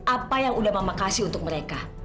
apa yang udah mama kasih untuk mereka